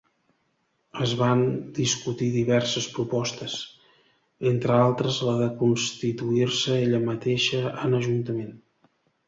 Es van discutir diverses propostes, entre altres la de constituir-se ella mateixa en ajuntament.